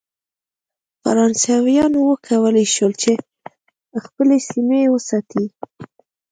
فرانسویانو وکولای شول چې خپلې سیمې وساتي.